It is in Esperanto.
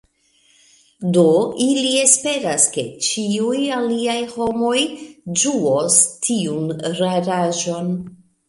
Do ili esperas, ke ĉiuj aliaj homoj ĝuos tiun raraĵon.